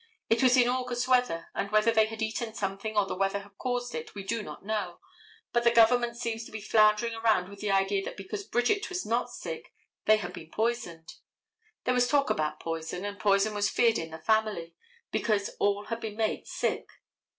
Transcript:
It was in August weather, and whether they had eaten something or the weather had caused it, we do not know, but the government seems to be floundering around with the idea that because Bridget was not sick, they had been poisoned. There was talk about poison, and poison was feared in the family, because all had been made sick.